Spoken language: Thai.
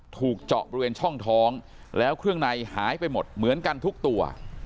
ถูกเจาะบริเวณช่องท้องแล้วเครื่องในหายไปหมดเหมือนกันทุกตัว